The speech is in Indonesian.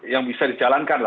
yang bisa dijalankan